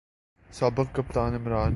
سابق کپتان عمران